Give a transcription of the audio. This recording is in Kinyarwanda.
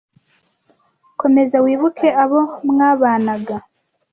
komeza wibuke abo mwabanaga